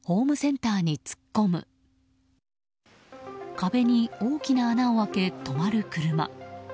壁に大きな穴を開け、止まる車。